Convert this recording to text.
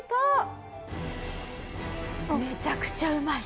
めちゃくちゃうまいと。